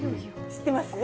知ってます？